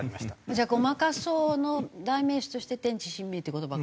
じゃあ「ごまかそう」の代名詞として「天地神明」っていう言葉が。